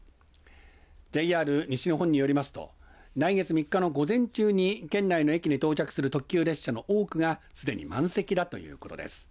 ＪＲ西日本によりますと来月３日の午前中に県内の駅に到着する特急列車の多くがすでに満席だということです。